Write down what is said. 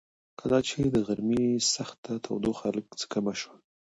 کله چې د غرمې سخته تودوخه لږ څه کمه شوه.